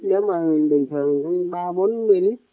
nếu mà bình thường ba bốn lý